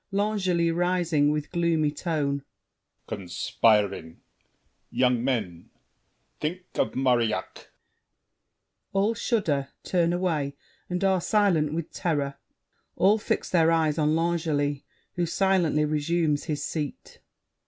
L'ANGELY (rising, with gloomy tone). Conspiring! Young men! Think of Marillac! [All shudder: turn away, and are silent with terror; all fix their eyes on L'Angely, who silently resumes his seat.